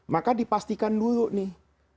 maka dipastikan dulu nih